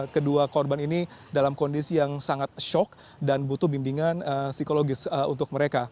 kedua korban ini dalam kondisi yang sangat shock dan butuh bimbingan psikologis untuk mereka